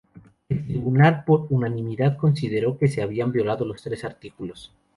El tribunal, por unanimidad, consideró que se habían violado los tres artículos.